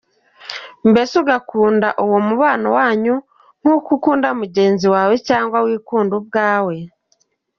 Mbese ugakunda uwo mubano wanyu nkuko ukunda mugenzi wawe cyangwa wikunda nawe ubwawe.